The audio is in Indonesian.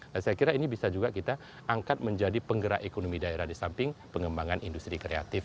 nah saya kira ini bisa juga kita angkat menjadi penggerak ekonomi daerah di samping pengembangan industri kreatif